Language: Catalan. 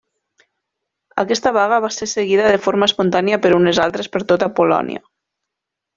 Aquesta vaga va ser seguida de forma espontània per unes altres per tota Polònia.